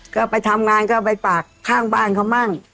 ก็ไปทำงานไปปากข้างบ้านเค้าบ้าง